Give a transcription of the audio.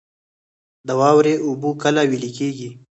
د واورې اوبه کله ویلی کیږي؟